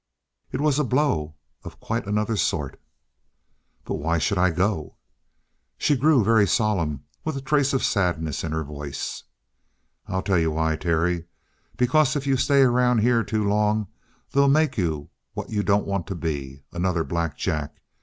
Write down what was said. It was a blow of quite another sort. "But why should I go?" She grew very solemn, with a trace of sadness in her voice. "I'll tell you why, Terry. Because if you stay around here too long, they'll make you what you don't want to be another Black Jack.